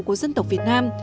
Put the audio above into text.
của dân tộc việt nam